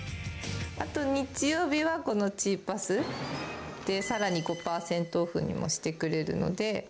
あと日曜日はこのチーパスで、さらに５％オフにもしてくれるので。